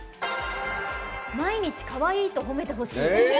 毎日かわいいと褒めてほしい。